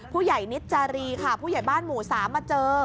ผู้ใหญ่นิจารีค่ะผู้ใหญ่บ้านหมู่๓มาเจอ